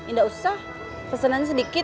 ndak usah pesenannya sedikit